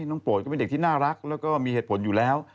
โปรดก็เป็นเด็กที่น่ารักแล้วก็มีเหตุผลอยู่แล้ว